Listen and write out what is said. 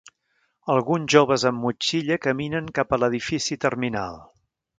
Alguns joves amb motxilla caminen cap a l'edifici terminal.